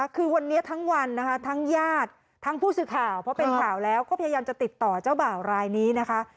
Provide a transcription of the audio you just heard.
คือวันนี้ทั้งวันนะคะทั้งญาติทั้งผู้สื่อข่าวเพราะเป็นข่าวแล้วก็พยายามจะติดต่อเจ้าบ่าวรายนี้นะคะ